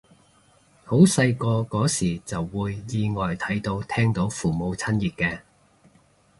好細個嗰時就會意外睇到聽到父母親熱嘅